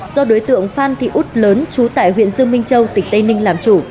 do đối tượng phan thị út lớn trú tại huyện dương minh châu tỉnh tây ninh làm chủ